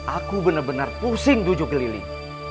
aku benar benar pusing duduk keliling